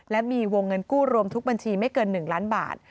และมีวงเงินกู้รวมทุกบัญชีไม่เกิน๑ล้านบาท